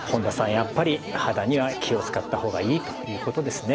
やっぱり肌には気を遣った方がいいということですね。